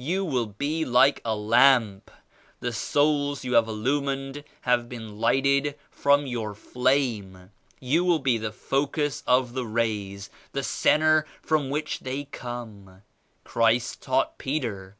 You will be like a lamp. The souls you have illumined have been lighted from your flame. You will be the focus of the rays ; the centre from which they come. Christ taught Peter.